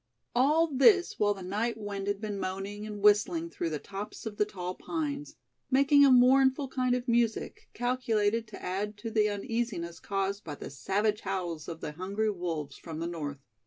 All this while the night wind had been moaning and whistling through the tops of the tall pines, making a mournful kind of music, calculated to add to the uneasiness caused by the savage howls of the hungry wolves from the north.